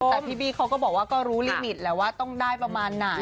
แต่พี่บี้เขาก็บอกว่าก็รู้ลิมิตแหละว่าต้องได้ประมาณไหน